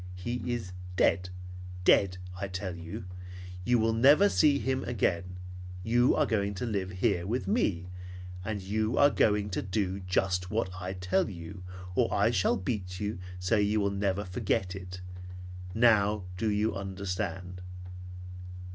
He is dead. Dead, I tell you! You will never see him again. You are going to live here with me, and you are going to do just what I tell you or I shall beat you so you will never forget it. Now do you understand?"